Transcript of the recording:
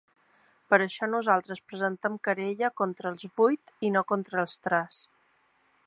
Per això nosaltres presentem querella contra els vuit i no contra els tres.